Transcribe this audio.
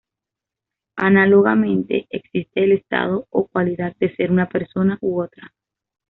Análogamente, existe el estado o cualidad de ser una persona u otra.